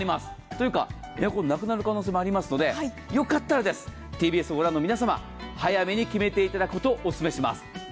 というか、エアコンなくなる可能性もありますのでよかったら、ＴＢＳを御覧の皆様、早めに決めていだたくことをオススメします。